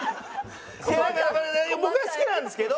僕は好きなんですけど。